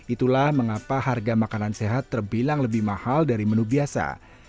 itulah mengapa harga makanan sehat terbilang lebih mahal dari menu biasa